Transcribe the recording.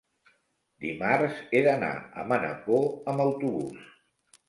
Dimarts he d'anar a Manacor amb autobús.